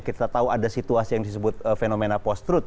kita tahu ada situasi yang disebut fenomena post truth